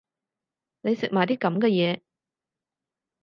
你食埋啲噉嘅嘢